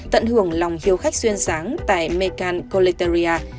tận hưởng lòng hiếu khách xuyên sáng tại mekan coletaria